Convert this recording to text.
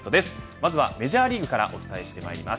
まずはメジャーリーグからお伝えしてまいります。